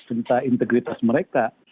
serta integritas mereka